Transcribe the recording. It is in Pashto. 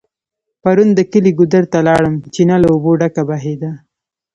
پرون د کلي ګودر ته لاړم .چينه له اوبو ډکه بهيده